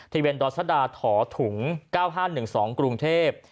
ที่เวียนดอสดาถอถุง๙๕๑๒กรุงเทพฯ